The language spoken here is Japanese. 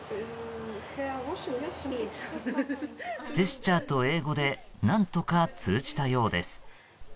ジェスチャーと英語で何とか通じたようです。